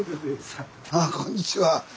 あこんにちは。